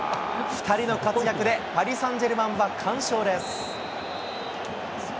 ２人の活躍でパリサンジェルマンは完勝です。